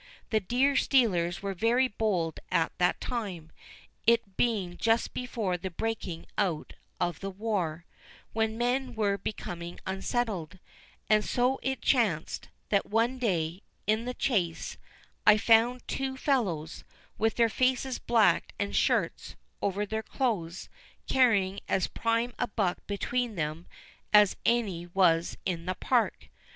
The deer stealers were very bold at that time, it being just before the breaking out of the war, when men were becoming unsettled— And so it chanced, that one day, in the Chase, I found two fellows, with their faces blacked and shirts over their clothes, carrying as prime a buck between them as any was in the park.